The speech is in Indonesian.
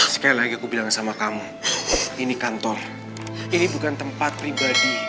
sekali lagi aku bilang sama kamu ini kantor ini bukan tempat pribadi